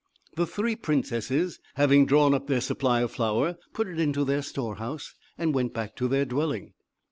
The three princesses, having drawn up their supply of flour, put it into their storehouse, and went back to their dwelling.